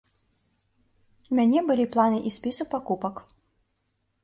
У мяне былі планы і спісы пакупак.